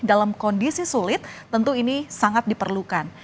dalam kondisi sulit tentu ini sangat diperlukan